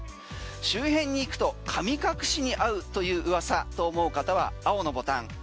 周辺に行くと神隠しにあうという噂と思う方は青のボタン。